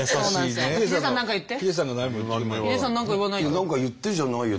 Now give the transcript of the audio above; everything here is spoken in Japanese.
「何か言って」じゃないよ。